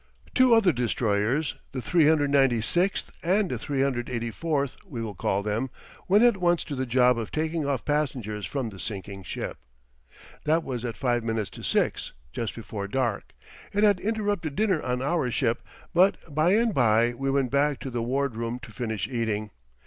Two other destroyers the 396 and the 384, we will call them went at once to the job of taking off passengers from the sinking ship. That was at five minutes to six, just before dark. It had interrupted dinner on our ship; but by and by we went back to the ward room to finish eating.